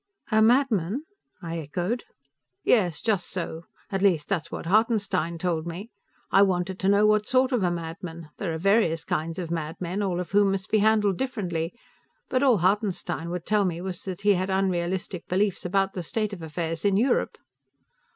"A madman?" I echoed. "Yes, just so. At least, that's what Hartenstein told me. I wanted to know what sort of a madman there are various kinds of madmen, all of whom must be handled differently but all Hartenstein would tell me was that he had unrealistic beliefs about the state of affairs in Europe."